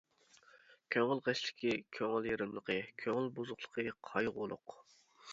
كۆڭۈل غەشلىكى، كۆڭۈل يېرىملىقى، كۆڭۈل بۇزۇقلۇقى، قايغۇلۇق.